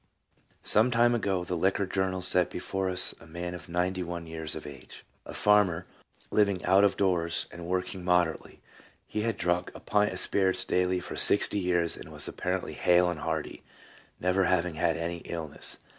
1 Some time ago the liquor journals set before us a man of ninety one years of age, a farmer, living out of doors and working moderately. He had drunk a pint of spirits daily for sixty years and was apparently hale and hearty, never having had any illness.